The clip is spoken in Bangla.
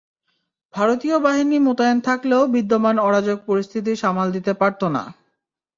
ভারতীয় বাহিনী মোতায়েন থাকলেও বিদ্যমান অরাজক পরিস্থিতি সামাল দিতে পারত না।